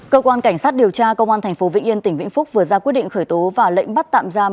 cơ quan cảnh sát điều tra công an tp vĩnh yên tỉnh vĩnh phúc vừa ra quyết định khởi tố và lệnh bắt tạm giam